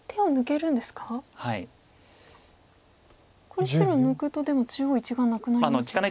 これ白抜くとでも中央１眼なくなりますよね。